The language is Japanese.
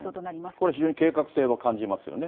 これ、非常に計画性は感じますよね。